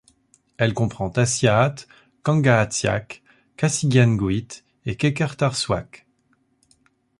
Elle comprend Aasiaat, Kangaatsiaq, Qasigiannguit et Qeqertarsuaq.